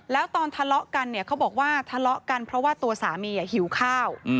แล้วตอนทะเลาะกันเนี่ยเขาบอกว่าทะเลาะกันเพราะว่าตัวสามีหิวข้าว